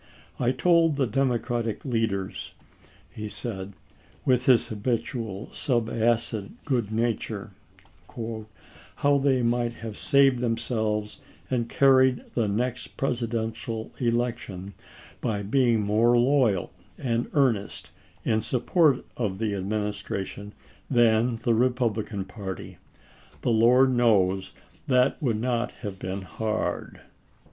I told the Democratic leaders," lie said, with his habitual subacid good nature, "how they might have saved themselves and carried the next Presi dential election by being more loyal and earnest in support of the Administration than the Republican j. h., party. The Lord knows that would not have been Nov!as!W.